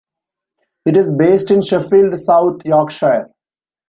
It is based in Sheffield, South Yorkshire.